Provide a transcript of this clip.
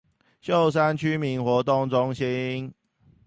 秀山區民活動中心